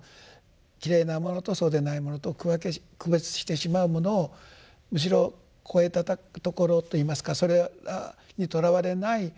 きれいなものとそうでないものと区分け区別してしまうものをむしろ超えたところといいますかそれにとらわれない。